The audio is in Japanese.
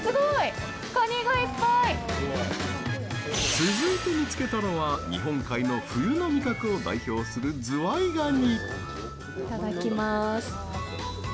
続いて見つけたのは日本海の冬の味覚を代表するズワイガニ！